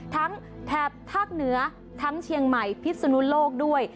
แถบภาคเหนือทั้งเชียงใหม่พิศนุโลกด้วย